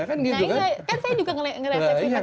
kan saya juga ngereseksi pakai kasus yang ada sekarang